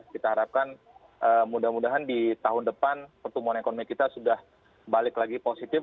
kita harapkan mudah mudahan di tahun depan pertumbuhan ekonomi kita sudah balik lagi positif